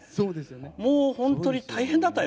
もう、本当に大変だったよ。